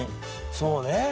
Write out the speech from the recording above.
そうね。